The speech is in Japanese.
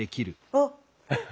あっ！